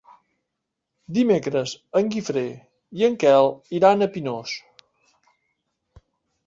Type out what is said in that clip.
Dimecres en Guifré i en Quel iran a Pinós.